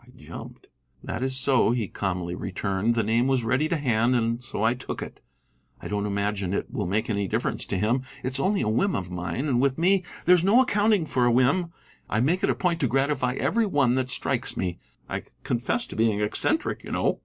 I jumped. "That is so," he calmly returned; "the name was ready to hand, and so I took it. I don't imagine it will make any difference to him. It's only a whim of mine, and with me there's no accounting for a whim. I make it a point to gratify every one that strikes me. I confess to being eccentric, you know."